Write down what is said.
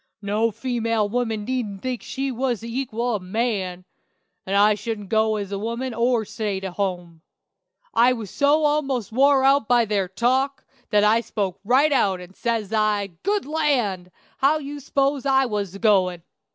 "No female woman needn't think she was the equal of man; and I should go as a woman or stay to home. I was so almost wore out by their talk, that I spoke right out, and, says I, 'Good land! how did you s'pose I was a goin'?'